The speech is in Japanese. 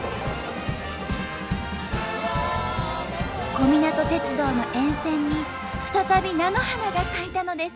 小湊鉄道の沿線に再び菜の花が咲いたのです。